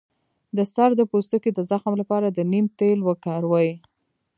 د سر د پوستکي د زخم لپاره د نیم تېل وکاروئ